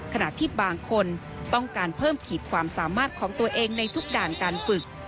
ขณะที่บางคนต้องการเพิ่มขีดความสามารถของตัวเองในทุกด่านการฝึก